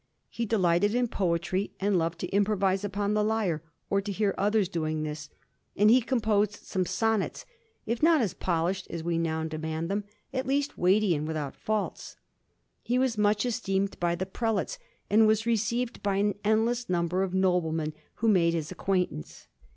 He delighted in poetry, and loved to improvise upon the lyre, or to hear others doing this: and he composed some sonnets, if not as polished as we now demand them, at least weighty and without faults. He was much esteemed by the prelates, and was received by an endless number of noblemen who made his acquaintance.